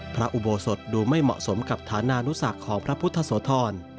พระอุโบสถดูไม่เหมาะสมกับฐานานุสักของพระพุทธโสธร